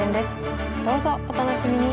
どうぞお楽しみに！